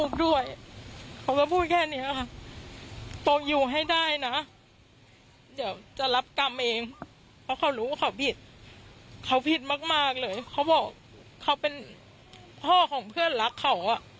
ส่วนทางด้านแม่ของในเบลเอ็งก็ตกใจเหมือนกัน